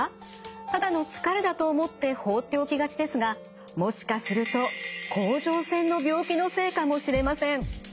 ただの疲れだと思って放っておきがちですがもしかすると甲状腺の病気のせいかもしれません。